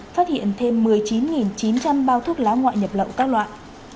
phát hiện thêm một mươi chín chín trăm linh bao thuốc lá ngoại nhập lậu các loại